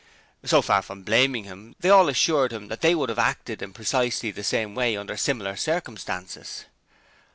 So far from blaming him, they all assured him that they would have acted in precisely the same way under similar circumstances.